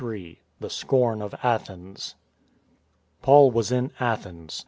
XXIII THE SCORN OF ATHENS PAUL was in Athens.